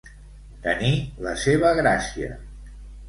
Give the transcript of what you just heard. Tenir la seva gràcia.